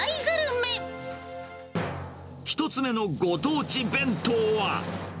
１つ目のご当地弁当は。